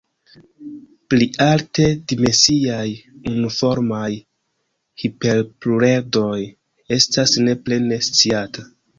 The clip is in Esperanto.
Pli alte dimensiaj unuformaj hiperpluredroj estas ne plene sciata.